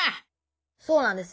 そうなんです。